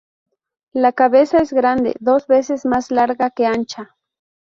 La cabeza es grande, dos veces más larga que ancha.